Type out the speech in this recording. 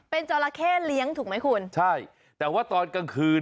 เป็นจราเข้เลี้ยงถูกไหมคุณใช่แต่ว่าตอนกลางคืน